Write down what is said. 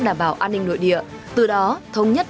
đảm bảo an ninh nội địa từ đó thống nhất